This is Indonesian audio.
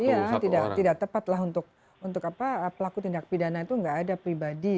iya tidak tepat lah untuk pelaku tindak pidana itu nggak ada pribadi